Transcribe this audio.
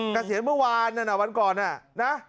เกษียณเมื่อวานนั้นวันก่อนนะ